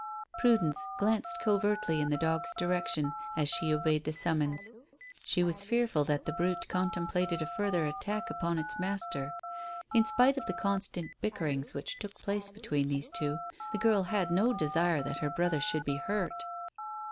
Prudence glanced covertly in the dog's direction as she obeyed the summons. She was fearful that the brute contemplated a further attack upon its master. In spite of the constant bickerings which took place between these two, the girl had no desire that her brother should be hurt.